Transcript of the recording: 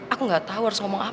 aku gak tahu harus ngomong apa